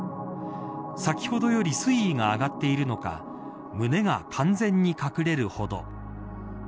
先ほどより水位が上がっているのか胸が完全に隠れるほど。